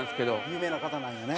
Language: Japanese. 有名な方なんやね。